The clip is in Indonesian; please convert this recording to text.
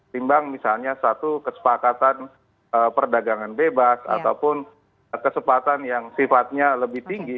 timbang misalnya satu kesepakatan perdagangan bebas ataupun kesempatan yang sifatnya lebih tinggi